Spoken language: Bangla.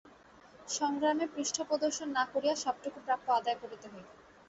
সংগ্রামে পৃষ্ঠপ্রদর্শন না করিয়া সবটুকু প্রাপ্য আদায় করিতে হইবে।